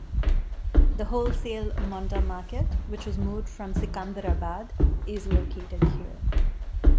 The wholesale 'Monda Market' which was moved from Secunderabad is located here.